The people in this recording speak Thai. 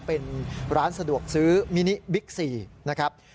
เป็นร้านสะดวกซื้อมินิบิ๊กซีนะครับ